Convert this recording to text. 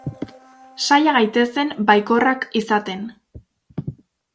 Saia gaitezen baikorrak izaten.